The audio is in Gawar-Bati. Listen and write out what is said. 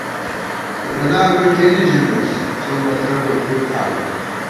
کرونا گوئی کېنےژِمېس څو مترہ بو کھُر کھاوَہ